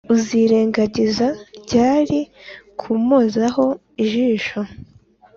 uzirengagiza ryari kumpozaho ijisho,